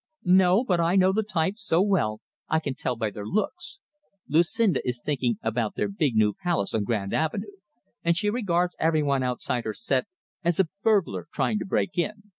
"No, but I know the type so well, I can tell by their looks. Lucinda is thinking about their big new palace on Grand Avenue, and she regards everyone outside her set as a burglar trying to break in.